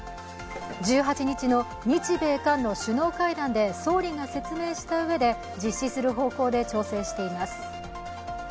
１８日の日米韓の首脳会談で総理が説明したうえで、実施する方向で調整しています。